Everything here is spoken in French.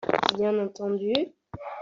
Bien entendu.